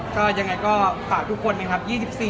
ก็ยังไงก็ฝากทุกคนนะครับ